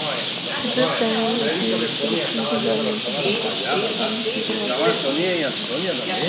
The group generally adheres to the Cuban government's objectives "to defend the Cuban Revolution".